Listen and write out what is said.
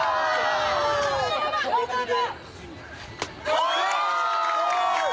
お！